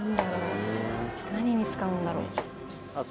何に使うんだろう？